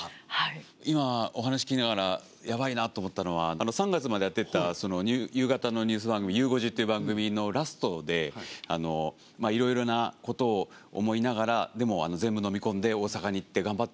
今お話聞きながらやばいなと思ったのは３月までやってた夕方のニュース番組「ゆう５時」っていう番組のラストで「いろいろなことを思いながらでも全部のみ込んで大阪に行って頑張ってきます。